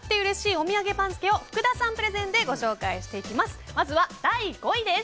お土産番付を福田さんプレゼンでご紹介していきます。